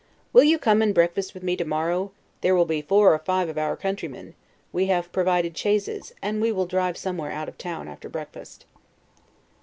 Will you come and breakfast with me tomorrow? there will be four or five of our countrymen; we have provided chaises, and we will drive somewhere out of town after breakfast.